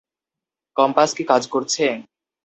Compass কি কাজ করছে?